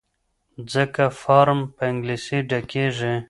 ځکه فارم په انګلیسي ډکیږي.